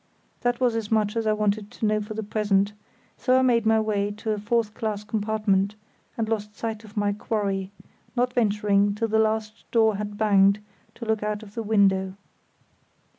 _ That was as much I wanted to know for the present; so I made my way to a fourth class compartment, and lost sight of my quarry, not venturing, till the last door had banged, to look out of the window.